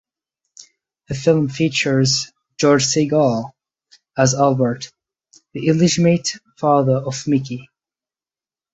The film features George Segal as Albert, the illegitimate father of Mikey.